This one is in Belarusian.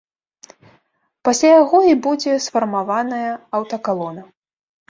Пасля яго і будзе сфармаваная аўтакалона.